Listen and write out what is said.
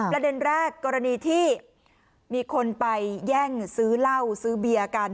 ประเด็นแรกกรณีที่มีคนไปแย่งซื้อเหล้าซื้อเบียร์กัน